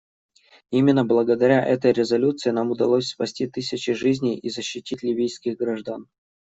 Именно благодаря этой резолюции нам удалось спасти тысячи жизней и защитить ливийских граждан.